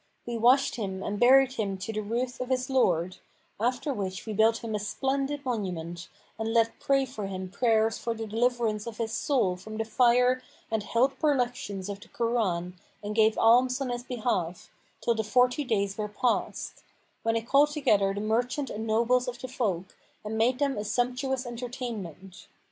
We washed him and buried him to the ruth of his Lord, after which we built him a splendid monument and let pray for him prayers for the deliverance of his soul from the fire and held perlections of the Koran and gave alms on his behalf, till the forty days[FN#488] were past; when I called together the merchants and nobles of the folk and made them a sumptuous entertainment.